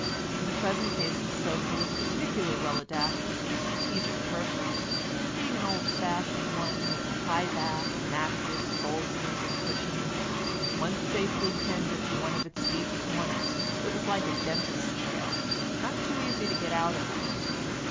In the present case the sofa was particularly well adapted for a strategic purpose, being an old fashioned one with a high back, mattress, bolsters and cushions. Once safely penned into one of its deep corners, it was like a dentist's chair, not too easy to get out of again.